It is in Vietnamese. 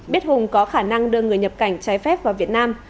biết hùng có khả năng đưa người nhập cảnh trái phép vào việt nam